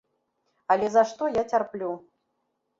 Але за што я цярплю?